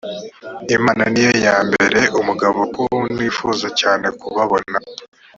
imana ni yo yambera umugabo ko nifuza cyane kubabona